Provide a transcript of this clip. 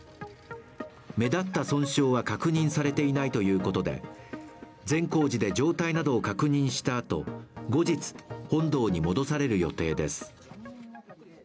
目立った損傷は確認されていないということで善光寺で状態などを確認したあと後日、本堂に戻される予定です。